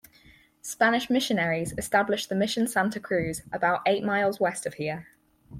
Spanish missionaries established the Mission Santa Cruz about eight miles west of here.